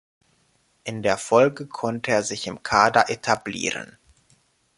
In der Folge konnte er sich im Kader etablieren.